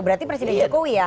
berarti presiden jokowi ya